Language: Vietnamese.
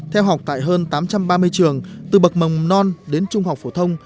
theo học tại hơn tám trăm ba mươi trường từ bậc mầm non đến trung học phổ thông